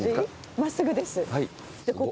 真っすぐです。